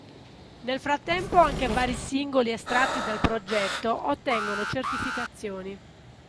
Nel frattempo anche vari singoli estratti dal progetto ottengono certificazioni.